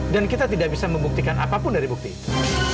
dan kita tidak bisa membuktikan apapun dari bukti itu